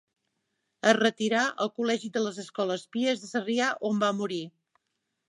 Es retirà al col·legi de les Escoles Pies de Sarrià on va morir.